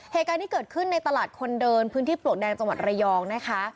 เหตุการณ์ที่เกิดขึ้นในตลาดคนเดินพื้นที่ปลวกแดงจังหวัดระยองนะคะ